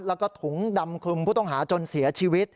แล้วก็ถุงดำคลุมผู้ต้องหาจนเสียชีวิต